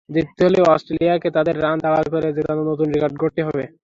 জিততে হলে অস্ট্রেলিয়াকে তাদের রান তাড়া করে জেতার নতুন রেকর্ড গড়তে হতো।